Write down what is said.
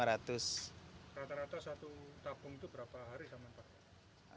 rata rata satu tabung itu berapa hari sama pak